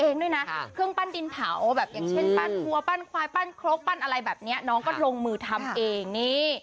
ด้วยนะเครื่องปั้นดินเผาแบบอย่างเช่นปั้นทัวปั้นควายปั้นครกปั้นอะไรแบบนี้น้องก็ลงมือทำเองนี่